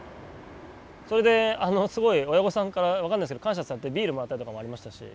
それですごい親御さんから分かんないですけど感謝されてビールもらったりとかもありましたし。